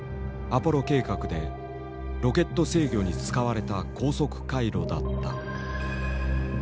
アポロ計画でロケット制御に使われた高速回路だった。